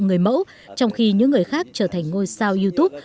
người mẫu trong khi những người khác trở thành ngôi sao youtube